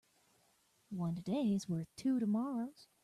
One today is worth two tomorrows.